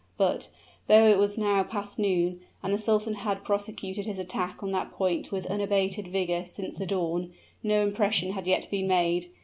But, though it was now past noon, and the sultan had prosecuted his attack on that point with unabated vigor since the dawn, no impression had yet been made.